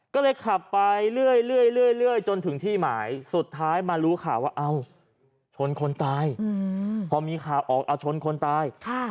ก็เลยขับไปเรื่อยจนถึงที่หมายสุดท้ายมารู้ข่าวว่าเอาชนคนตาย